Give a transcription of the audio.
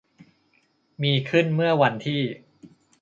มีขึ้นเมื่อวันที่